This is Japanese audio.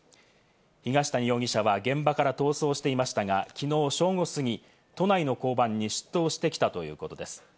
東谷容疑者は現場から逃走していましたが、きのう正午過ぎ、都内の交番に出頭してきたということです。